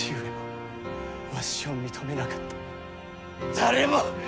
誰も！